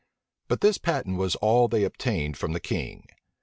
But this patent was all they obtained from the king.